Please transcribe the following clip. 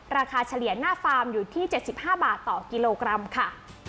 เฉลี่ยหน้าฟาร์มอยู่ที่๗๕บาทต่อกิโลกรัมค่ะ